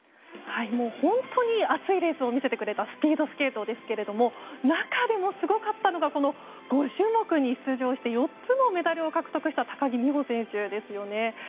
本当に熱いレースを見せてくれたスピードスケートですが中でもすごかったのが５種目に出場して４つのメダルを獲得した高木美帆選手ですよね。